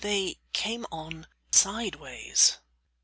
They came on sideways.